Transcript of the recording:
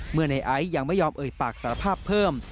ในไอซ์ยังไม่ยอมเอ่ยปากสารภาพเพิ่ม